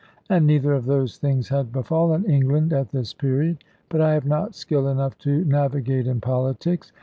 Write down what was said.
And neither of those things had befallen England at this period. But I have not skill enough to navigate in politics.